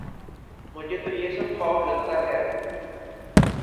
مجھے تو یہ سب خواب لگتا ہے